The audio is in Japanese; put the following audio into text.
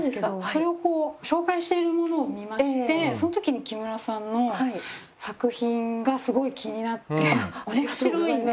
それをこう紹介しているものを見ましてその時に木村さんの作品がすごい気になって。